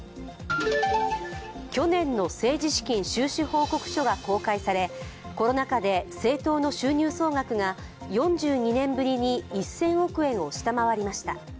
去年の政治資金収支報告書が公開されコロナ禍で政党の収入総額が４２年ぶりに１０００億円を下回りました。